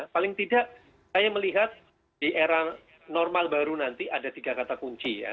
paling tidak saya melihat di era normal baru nanti ada tiga kata kunci ya